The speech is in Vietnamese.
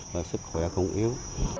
và sức khỏe cũng yếu